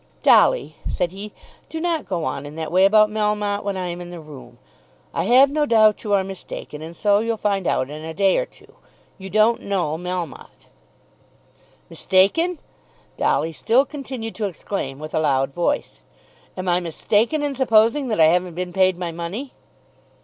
"Dolly," said he, "do not go on in that way about Melmotte when I am in the room. I have no doubt you are mistaken, and so you'll find out in a day or two. You don't know Melmotte." "Mistaken!" Dolly still continued to exclaim with a loud voice. "Am I mistaken in supposing that I haven't been paid my money?"